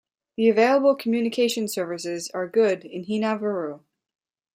The available communication services are good in Hinnavaru.